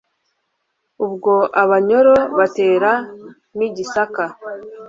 Ubwo Abanyoro bateye n'i Gisaka,